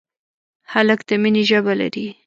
هلک د مینې ژبه لري.